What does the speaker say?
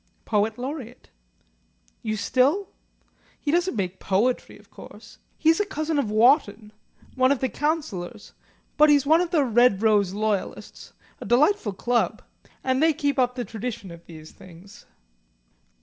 "Poet Laureate." "You still ?" "He doesn't make poetry, of course. He's a cousin of Wotton one of the Councillors. But he's one of the Red Rose Royalists a delightful club and they keep up the tradition of these things."